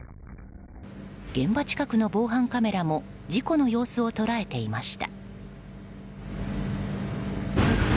現場近くの防犯カメラも事故の様子を捉えていました。